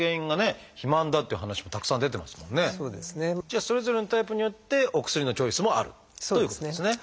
じゃあそれぞれのタイプによってお薬のチョイスもあるということですね。